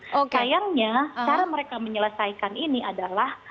sayangnya cara mereka menyelesaikan ini adalah